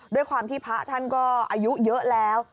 ด้วยความที่พระท่านก็อายุเยอะแล้ว